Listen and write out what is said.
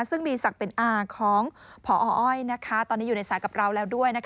ซึ่งมีศักดิ์เป็นอาของพออ้อยตอนนี้อยู่ในสายกับเราแล้วด้วย